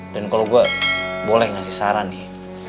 dan kalau gue boleh ngasih saran nih